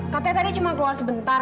katanya tadi cuma keluar sebentar